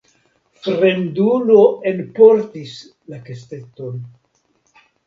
Fremdulo enportis la kesteton.